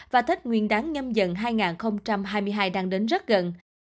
và tết nguyên đáng nhâm dần hai nghìn hai mươi hai đang đến rất gần